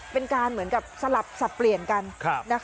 เป็นการเหมือนกับสลับสับเปลี่ยนกัน